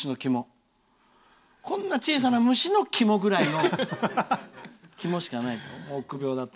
こんなに小さな虫の肝ぐらいの肝しかないって。